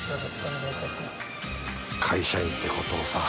会社員ってことをさ